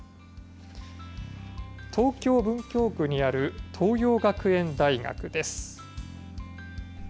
東京・文京区にある東洋学園大学です。